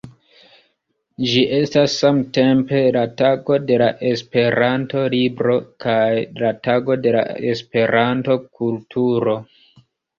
Ĝi estas samtempe la Tago de la Esperanto-libro kaj la Tago de la Esperanto-kulturo.